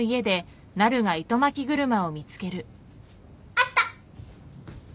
あった。